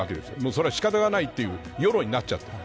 それは仕方がないという世論になっちゃっている。